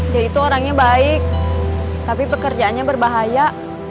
dia itu orangnya baik tapi pekerjaannya berbahaya